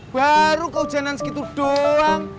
baru kehujanan segitu doang